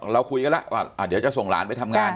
เราคุยกันแล้วว่าเดี๋ยวจะส่งหลานไปทำงาน